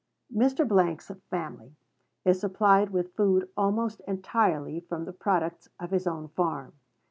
Mr. 's family is supplied with food almost entirely from the products of his own farm.